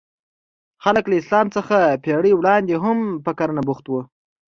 خلک له اسلام څخه پېړۍ وړاندې هم په کرنه بوخت وو.